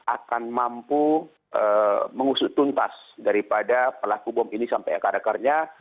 akan mampu mengusut tuntas daripada pelaku bom ini sampai akar akarnya